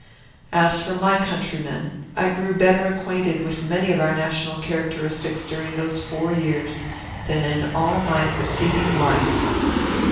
As for my countrymen, I grew better acquainted with many of our national characteristics during those four years than in all my preceding life.